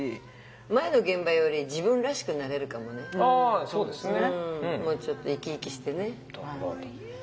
あそうですね。